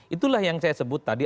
itulah yang saya sebut tadi